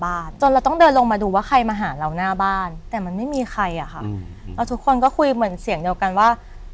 จนเราต้องเดินลงมาดูว่าใครมาหาเราหน้าบ้านแต่มันไม่มีใครอ่ะค่ะแล้วทุกคนก็คุยเหมือนเสียงเดียวกันว่า